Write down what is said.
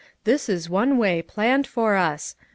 This is one way, planned for 'us.